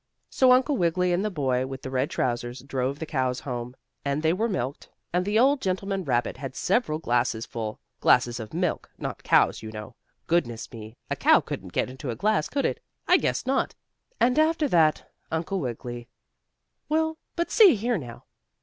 So Uncle Wiggily, and the boy with the red trousers, drove the cows home, and they were milked, and the old gentleman rabbit had several glasses full glasses full of milk, not cows, you know. Goodness me! A cow couldn't get into a glass could it? I guess not! And after that Uncle Wiggily Well, but see here now.